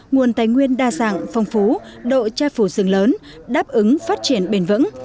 nguồn tài nguyên đa dạng phong phú độ che phủ rừng lớn đáp ứng phát triển bền vững